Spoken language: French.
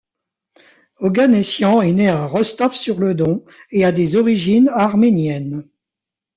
Oganessian est né à Rostov-sur-le-Don et a des origines arméniennes.